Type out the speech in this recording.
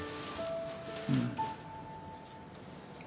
うん。